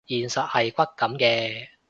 現實係骨感嘅